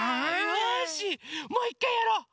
よしもういっかいやろう！